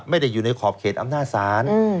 ไม่ได้อยู่ในขอบเขตอำนาจศาล